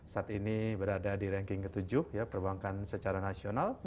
saat ini berada di ranking ke tujuh perbankan secara nasional